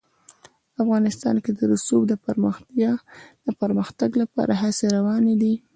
افغانستان کې د رسوب د پرمختګ لپاره هڅې روانې دي.